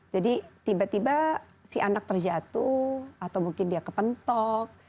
tiba tiba si anak terjatuh atau mungkin dia kepentok